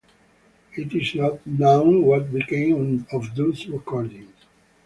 It is not known what became of those recordings.